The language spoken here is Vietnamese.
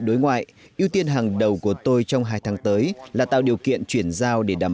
đối ngoại ưu tiên hàng đầu của tôi trong hai tháng tới là tạo điều kiện chuyển giao để đảm